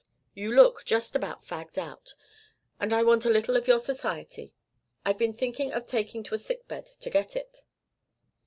You look just about fagged out. And I want a little of your society. I've been thinking of taking to a sick bed to get it."